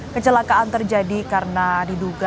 kecelakaan terjadi karena diduga